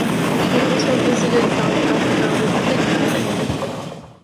She also visited South Africa with Clinton that year.